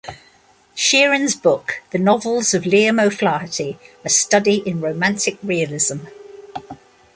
Sheeran's book "The Novels of Liam O'Flaherty: A Study in Romantic Realism".